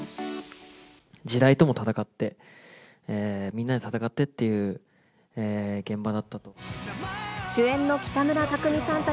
時代とも戦って、みんなで戦ってっていう現場だった。